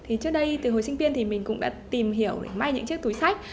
thì trước đây từ hồi sinh viên thì mình cũng đã tìm hiểu để may những chiếc túi sách